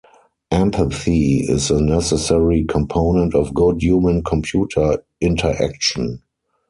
Empathy is a necessary component of good human computer interaction.